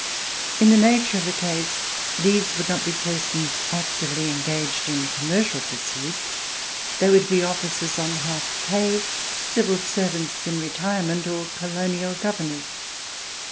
In the nature of the case these would not be persons actively engaged in commercial pursuits ; they would be officers on half pay, Civil Servants in retirement, or Colonial Governors.